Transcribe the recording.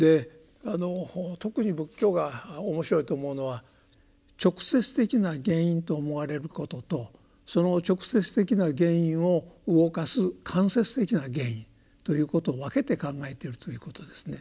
特に仏教が面白いと思うのは直接的な原因と思われることとその直接的な原因を動かす間接的な原因ということを分けて考えているということですね。